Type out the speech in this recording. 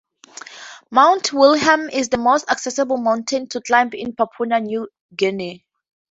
Mount Wilhelm is the most accessible mountain to climb in Papua New Guinea.